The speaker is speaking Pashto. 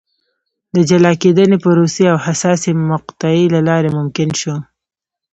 د جلا کېدنې پروسې او حساسې مقطعې له لارې ممکن شو.